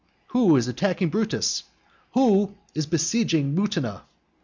who is attacking Brutus? who is besieging Mutina?